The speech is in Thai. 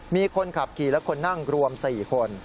มีคนขับขี่และคนนั่งรวม๔คน